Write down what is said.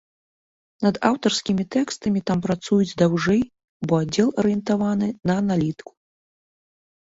Над аўтарскімі тэкстамі там працуюць даўжэй, бо аддзел арыентаваны на аналітыку.